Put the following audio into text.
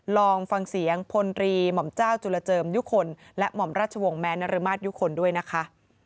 ลองฟังเสียงพลตรีหม่อมเจ้าจุลเจิมยุคลและหม่อมราชวงศ์แม้นรมาศยุคลด้วยนะคะ